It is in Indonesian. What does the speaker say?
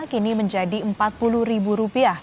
kini menjadi rp empat puluh